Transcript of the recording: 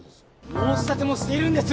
申し立てもしているんです！